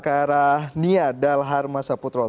karah nia dalharma saputrol